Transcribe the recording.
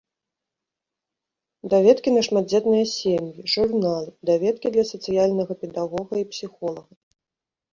Даведкі на шматдзетныя сем'і, журналы, даведкі для сацыяльнага педагога і псіхолага.